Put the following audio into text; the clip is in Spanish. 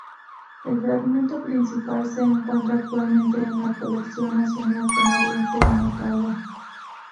El fragmento principal se encuentra actualmente en la Colección Nacional Canadiense, en Ottawa.